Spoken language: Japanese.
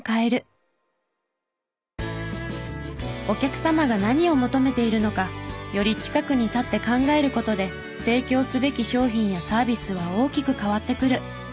お客様が何を求めているのかより近くに立って考える事で提供すべき商品やサービスは大きく変わってくる。